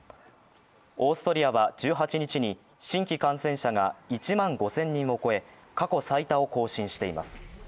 オーストリアは１８日に、新規感染者が１万５０００人を超え過去最多を更新しています。